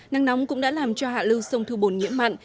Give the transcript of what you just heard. nắng nóng cũng đã làm cho hạ lưu sông thu bồn nhiễm mặn